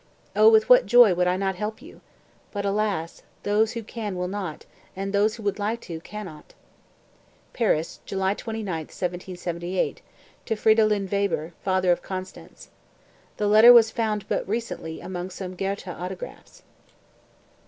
O, with what joy would I not help you! But, alas! those who can will not, and those who would like to can not!" (Paris, July 29, 1778, to Fridolin Weber, father of Constanze. The letter was found but recently among some Goethe autographs.)